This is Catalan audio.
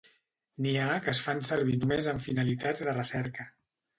N'hi ha que es fan servir només amb finalitats de recerca.